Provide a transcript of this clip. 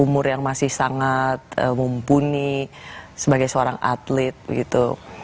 umur yang masih sangat mumpuni sebagai seorang juara yang paling buruk sekali dari dia